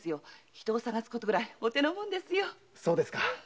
人を捜すことくらいお手のものですよ。